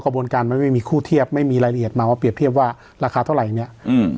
กระบวนการมันไม่มีคู่เทียบไม่มีรายละเอียดมาว่าเปรียบเทียบว่าราคาเท่าไหร่เนี้ยอืม